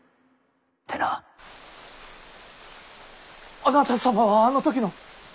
あなた様はあの時の！